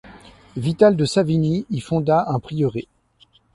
Vital de Savigny y fonda un prieuré.